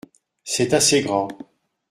C’est assez grand.